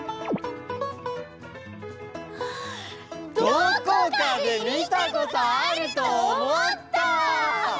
どこかでみたことあるとおもった！